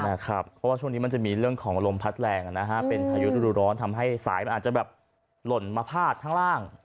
เพราะว่าช่วงนี้มันจะมีเรื่องของลมพัดแรงเป็นพายุฤดูร้อนทำให้สายมันอาจจะแบบหล่นมาพาดข้างล่าง